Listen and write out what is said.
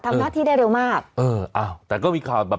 ทำหน้าที่ได้เร็วมากเอออ้าวแต่ก็มีข่าวแบบ